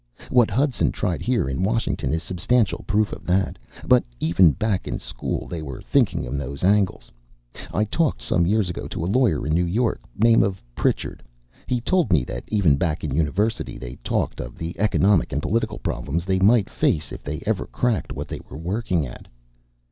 "What Hudson tried here in Washington is substantial proof of that. But even back in school, they were thinking of those angles. I talked some years ago to a lawyer in New York, name of Pritchard. He told me that even back in university, they talked of the economic and political problems that they might face if they ever cracked what they were working at.